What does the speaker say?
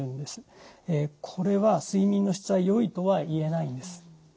これは睡眠の質はよいとは言えないんです。